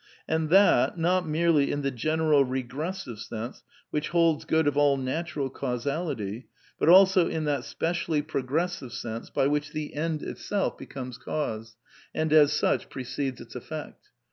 And that, not merely in the general regres sive sense which holds good of all natural causality, but also in that specially progressive sense by which the End itself be SOME QUESTIONS OF PSYCHOLOGY 85 comes cause, and as such precedes its effect.